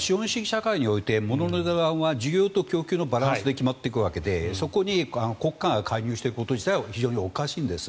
社会においてものの値段は需要と供給のバランスで決まっていくわけでそこに国会が介入すること自体が非常におかしいんです。